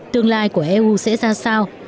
tương lai của eu sẽ ra sao